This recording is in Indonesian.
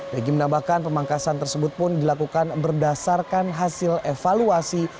regi menambahkan pemangkasan tersebut pun dilakukan berdasarkan hasil evaluasi